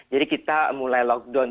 jadi kita mulai lockdown